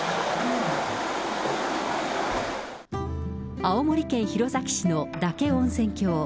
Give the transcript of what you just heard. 青森県弘前市の嶽温泉郷。